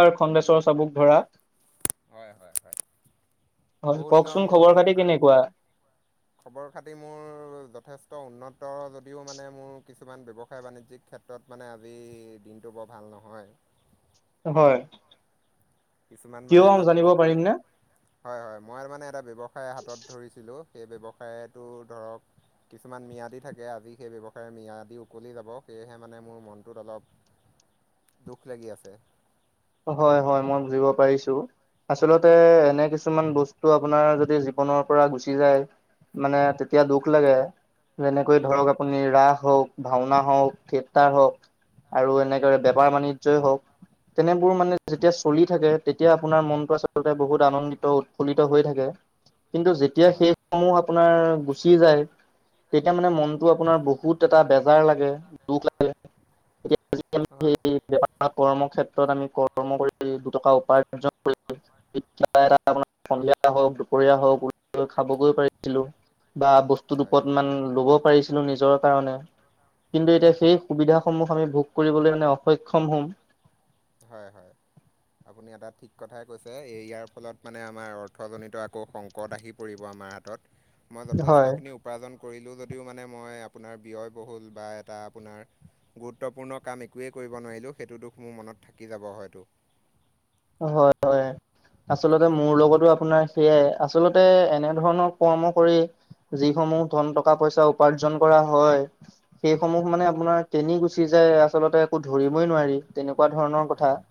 [unintelligible] খণ্ডেশ্বৰ চাবুকধৰা। হয়, হয়, হয় হয় বহুদিনৰ কওকচোন খবৰ মূৰত খাতি আপোনাক কেনেকুৱা? খবৰ খাতি মোৰ যথেষ্ট উন্নত যদিও মানে মোৰ কিছুমান ব্যৱসায় বাণিজ্যিক ক্ষেত্ৰত মানে আজি দিনটো বৰ ভাল নহয়। হয়। কিছুমান কিয় মানে এটা জানিব ব্যৱসায় পাৰিম নে? হয়, হয় মই মানে এটা ব্যৱসায় হাতত ধৰিছিলোঁ, সেই ব্যৱসায়টো ধৰক কিছুমান ম্যাদী থাকে আজি সেই ব্যৱসায়ৰ ম্যাদী উকলি যাব। সেয়েহে মানে মোৰ মনটোত অলপ দুখ লাগি আছে। হয়, হয় মই বুজিব পাৰিছো। আচলতে এনে কিছুমান বস্তু আপোনাৰ যদি জীৱনৰ পৰা গুচি যায় মানে তেতিয়া দুখ লাগে। যেনেকৈ হয় ধৰক আপুনি ৰাস হওঁক, ভাওনা হওঁক থেটাৰ হওঁক আৰু এনেদৰে বেপাৰ হয় বাণিজ্যই হওঁক। এইবোৰ মানে যেতিয়া চলি থাকে, তেতিয়া আপোনাৰ মনটো আচলতে বহুত আনন্দিত উৎফুল্লিত হৈ থাকে, কিন্তু যেতিয়া হয় সেই সমূহ আপোনাৰ গুচি যায়। তেতিয়া মানে মনটো আপোনাৰ বহুত বহুত এটা বেজাৰ লাগে, দুখ লাগে [unintelligible] হয় সেই কৰ্মক্ষেত্ৰ তাৰপিছত আমি কৰ্ম কৰি দুটকা উপাৰ্জন কৰি [unintelligible] সন্ধিয়া হওঁক, দুপৰীয়া হওকঁ ওলাই গৈ খাবগৈ পাৰিছিলোঁ। বা বস্তু হয় দুপত মান ল'ব পাৰিছিলো নিজৰ কাৰণে, কিন্তু হয় এতিয়া সেই সুবিধাসমূহ আমি ভোগ কৰিবলৈ মানে অসক্ষম হ'ম। হয় হয়। আপুনি এটা ঠিক কথাই কৈছে, এইয়াৰ ফলত মানে আমাৰ অৰ্থজনিত আকৌ সংকট আহি পৰিব আমাৰ মই হয়, যথেষ্টখিনি উপ উপাৰ্জন কৰিলোঁ যদিও মানে মই আপোনাৰ ব্যয়বহুল বা এটা আপোনাৰ গুৰুত্বপূৰ্ণ কাম একোৱেই কৰিব নোৱাৰিলোঁ। সেইটো দুখ মোৰ মনত থাকি যাব হয়তো। হয় হয়। আচলতে মোৰ লগতো আপোনাৰ সেইয়াই, আচলতে এনে ধৰণৰ কৰ্ম কৰি যিসমূহ ধন, টকা-পইছা উপাৰ্জন কৰা হয়। সেইসমূহ মানে আপোনাৰ কেনি গুচি যায় আচলতে একো ধৰিবই নোৱাৰি। তেনেকুৱা ধৰণৰ কথা, হয়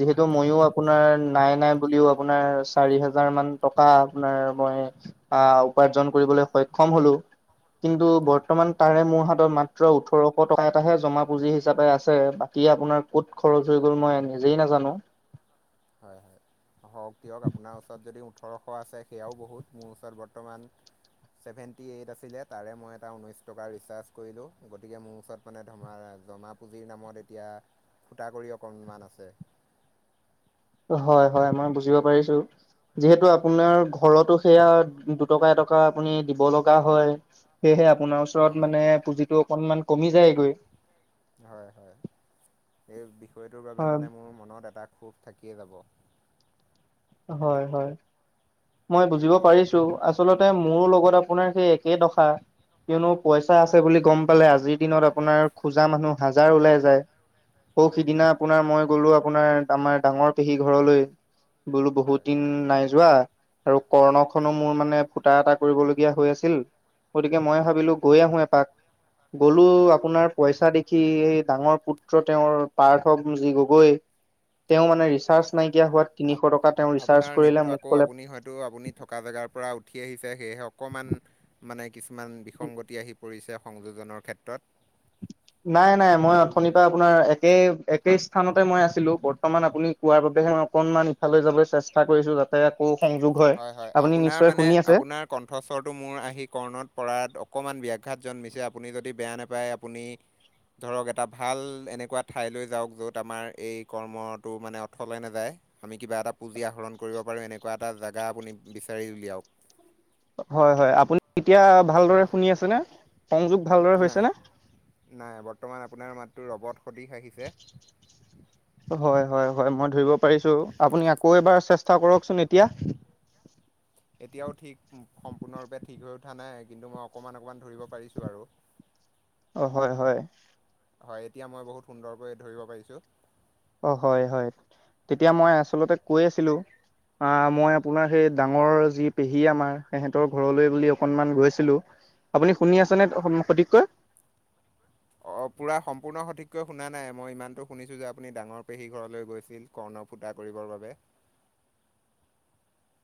যিহেতু হয় মইও আপোনাৰ নাই নাই বুলিও আপোনাৰ চাৰি হাজাৰ মান টকা আপোনাৰ মই আহ উপাৰ্জন কৰিবলৈ সক্ষম হ'লো। কিন্তু হয় বৰ্তমান তাৰে মোৰ হাতত মাত্ৰ ওঠৰশ টকা এটাহে জমা পুঁজি হিচাপে আছে, বাকী আপোনাৰ ক'ত খৰচ হৈ গ'ল মই নিজেই নাজানো। হয় হয়। হওঁক দিয়ক আপোনাৰ ওচৰত যদি ওঠৰশ আছে সেয়াও বহুত, মোৰ ওচৰত বৰ্তমান ছেভেণ্টি এইট আছিলে। তাৰে মই এটা ঊনৈছ টকা ৰিচাৰ্জ কৰিলোঁ গতিকে মোৰ ওচৰত মানে ধমা জমা পুঁজিৰ নামত এতিয়া ফুটা কৰি অকণমান আছে। হয় হয় মই বুজিব পাৰিছো। যিহেতু আপোনাৰ ঘৰতো সেয়া দুটকা এটকা আপুনি দিব লগা হয়। সেয়েহে আপোনাৰ ওচৰত হয়। মানে পুঁজিটো অকনমান কমি যায়গৈ। হয় হয়। সেই বিষয়টোৰ বাবে হয় মানে মোৰ মনত এটা খুব থাকিয়ে যাব। হয় হয়। বুজিব পাৰিছো আচলতে মোৰো লগত আপোনাৰ সেই একেই দশা, কিয়নো পইচা হয়। আছে বুলি গম পালে আজিৰ দিনত আ আপোনাৰ খোজা মানুহ হাজাৰ ওলাই যায়, সৌ হয় হয়। সিদিনা আপোনাৰ মই গ'লো আপোনাৰ আমাৰ ডাঙৰ পেহী ঘৰলৈ। বোলো বহুত হয় দিন নাই যোৱা। আৰু কৰ্ণখনো মোৰ মানে ফুটা এটা কৰিবলগীয়া হৈ আছিল। গতিকে মই ভাবিলো হয় গৈ আহো এপাক গ'লো হয় আপোনাৰ পইচা দেখি এই ডাঙৰ পুত্ৰ তেওঁৰ [unintelligible] তেওঁ মানে। ৰিচাৰ্ছ নাইকিয়া হোৱাত আ তিনিশ টকা তেওঁ ৰিচাৰ্জ আপোনাৰ কৰিলে নেটটো মোক আকৌ ক'লে আপুনি হয়তো আপুনি থকা জেগাৰ পৰা উঠি আহিছে সেয়েহে অকমান মানে কিছুমান বিসংগতি আহি পৰিছে সংযোজনৰ ক্ষেত্ৰত। নাই নাই মই অথনিৰ পৰা আপোনাৰ একেই একে স্থানতে মই আছিলোঁ। বৰ্তমান আপুনি। পোৱাৰ বাবেহে মই অকনমান ইফালে যাবলৈ চেষ্টা কৰিছোঁ। তাতে তাতে আকৌ সংযোগ হয়। আপুনি আপোনাৰ নিশ্চয় মানে শুনি আছে। আপোনাৰ কণ্ঠস্বৰটো মোৰ আহি কৰ্ণত পৰাত অকণমান ব্যাঘাত জন্মিছে। আপুনি যদি বেয়া নাপায়। আপুনি ধৰক এটা ভাল এনেকুৱা ঠাইলৈ যাওঁক। য'ত আমাৰ এই কৰ্মটো মানে অৰ্থলে নাযায়। আমি কিবা এটা পুঁজি আহৰণ কৰিব পাৰোঁ। এনেকুৱা এটা জেগা আপুনি বিচাৰি উলিয়াক। হয়, হয়, আপুনি এতিয়া ভালদৰে শুনি আছেনে? সংযোগ ভাল নাই নাই বৰ্তমান আপোনাৰ মাতটো ৰবট সতিশ আহিছে। হয়, হয়, হয়, মই ধৰিব পাৰিছোঁ। আপুনি আকৌ এবাৰ চেষ্টা কৰকচোন এতিয়া। এতিয়াও ঠিক সম্পূৰ্ণৰূপে ঠিক হৈ উঠা নাই। কিন্তু মই অকণমান অকণমান ধৰিব পাৰিছোঁ আৰু [unintelligible] অ' হয়, হয়। হয়, এতিয়া মই বহুত সুন্দৰকৈ ধৰিব পাৰিছোঁ। অ' হয়, হয়, তেতিয়া মই আচলতে কৈ আছিলোঁ। অ' মই আপোনাৰ সেই ডাঙৰ যি পেহী আমাৰ, সিহঁতৰ ঘৰলৈ বুলি অকনমান গৈছিলোঁ। আপুনি শুনি আছে নে সন্মুখত সঠিককৈ? অ' পূৰা সম্পূৰ্ণ সঠিককৈ শুনা নাই মই ইমানটো শুনিছোঁ যে আপুনি ডাঙৰ পেহী ঘৰলৈ গৈছিল। কৰ্ণ ফূটা কৰিবৰ বাবে